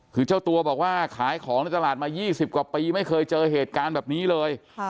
คือเจ้าตัวบอกว่าขายของในตลาดมา๒๐กว่าปีไม่เคยเจอเหตุการณ์แบบนี้เลย